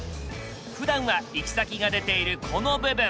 ふだんは行き先が出ているこの部分。